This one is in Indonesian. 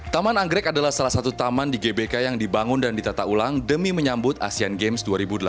taman anggrek adalah salah satu taman di gbk yang dibangun dan ditata ulang demi menyambut asean games dua ribu delapan belas